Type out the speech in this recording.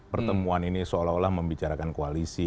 pertemuan ini seolah olah membicarakan koalisi